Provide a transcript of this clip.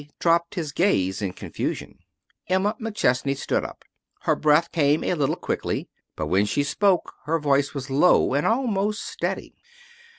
dropped his gaze in confusion. Emma McChesney stood up. Her breath came a little quickly. But when she spoke, her voice was low and almost steady.